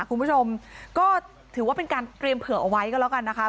คุณผู้ชมก็ถือว่าเป็นการเตรียมเผื่อเอาไว้ก็แล้วกันนะคะ